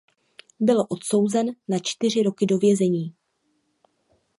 Byl odsouzen na čtyři roky do vězení.